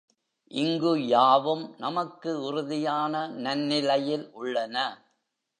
இங்கு யாவும் நமக்கு உறுதியான நன்னிலையில் உள்ளன.